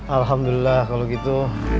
alhamdulillah kalau gitu